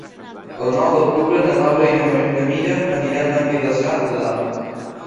El nou d'octubre na Laura i na Mira aniran a Vilassar de Dalt.